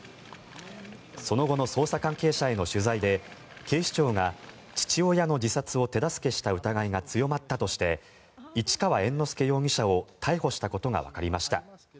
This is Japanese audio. その後の捜査関係者への取材で警視庁が父親の自殺を手助けした疑いが強まったとして市川猿之助容疑者を逮捕したことがわかりました。